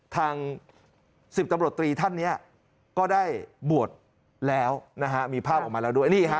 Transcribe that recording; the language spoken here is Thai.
ทาง๑๐ตำรวจตรีท่านเนี่ยก็ได้บวชแล้วนะฮะมีภาพออกมาแล้วด้วย